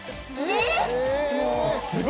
えっ！